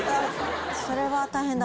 それは大変だ。